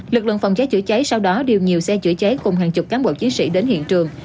lực lượng phòng cháy chữa cháy sau đó điều nhiều xe chữa cháy cùng hàng chục cán bộ chiến sĩ đến hiện trường